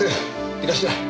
いらっしゃい。